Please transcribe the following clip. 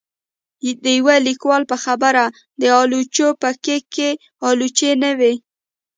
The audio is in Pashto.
د يو ليکوال په خبره د آلوچو په کېک کې آلوچې نه وې